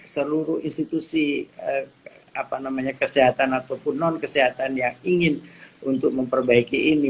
seluruh institusi kesehatan ataupun non kesehatan yang ingin untuk memperbaiki ini